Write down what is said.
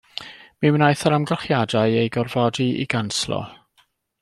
Mi wnaeth yr amgylchiadau eu gorfodi i ganslo.